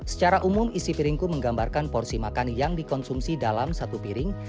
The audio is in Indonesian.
secara umum isi piringku menggambarkan porsi makan yang dikonsumsi dalam satu piring